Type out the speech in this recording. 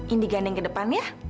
indigandeng ke depan ya